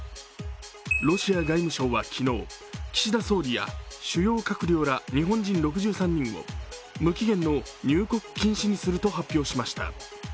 ロシア外務省は昨日、岸田総理や主要閣僚や日本人６３人を無期限の入国禁止にすると発表しました。